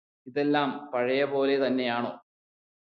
ഇതെല്ലാം പഴയപോലെ തന്നെയാണോ